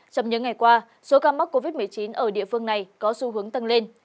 trong những ngày qua số ca mắc covid một mươi chín ở địa phương này có xu hướng tăng lên